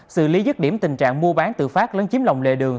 xử lý dứt điểm tình trạng mua bán tự phát lớn chiếm lòng lệ đường